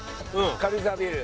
軽井沢ビール。